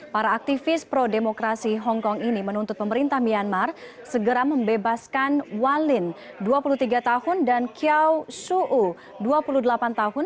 para aktivis pro demokrasi hongkong ini menuntut pemerintah myanmar segera membebaskan walin dua puluh tiga tahun dan kiau suu dua puluh delapan tahun